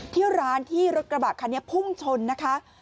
ที่ร้านที่รถกระบะคันนี้พุ่งชนนะคะ